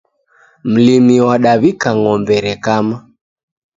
Mlimi wadaw'ika ng'ombe rekama